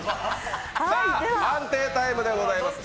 さあ、判定タイムでございます。